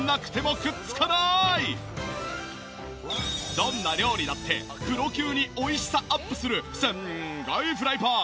どんな料理だってプロ級に美味しさアップするすっごいフライパン。